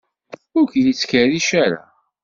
Ur k-yettkerric ara.